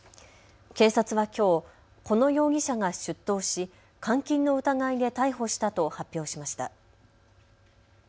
警察はきょう、この容疑者が出頭し監禁の疑いで逮捕したと発表しました。